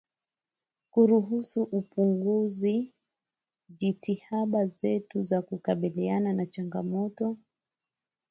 kuruhusu ipunguze jitihada zetu za kukabiliana na changamoto